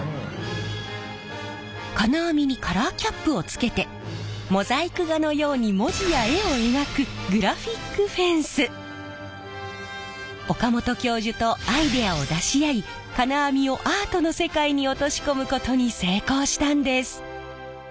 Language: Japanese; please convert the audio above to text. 金網にカラーキャップをつけてモザイク画のように文字や絵を描く岡本教授とアイデアを出し合い金網をアートの世界に落とし込むことに成功したんです！